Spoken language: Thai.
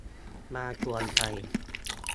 มากวนใจ